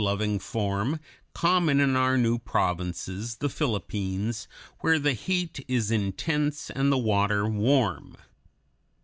It is a mud loving form, common in our new provinces, the Philippines, where the heat is intense and the water warm.